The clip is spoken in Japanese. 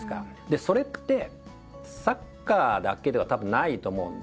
でそれってサッカーだけではたぶんないと思うんですよ。